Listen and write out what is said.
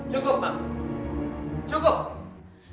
cukup mam cukup